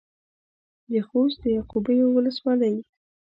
د خوست د يعقوبيو ولسوالۍ.